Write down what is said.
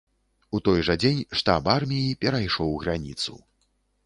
У той жа дзень штаб арміі перайшоў граніцу.